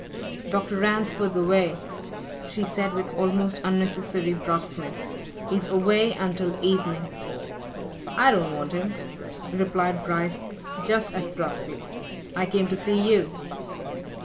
"Dr. Ransford is away," she said with almost unnecessary brusqueness. "He's away until evening." "I don't want him," replied Bryce just as brusquely. "I came to see you."